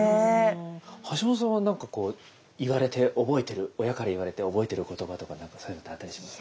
橋本さんは何かこう言われて覚えてる親から言われて覚えてる言葉とか何かそういうのってあったりします？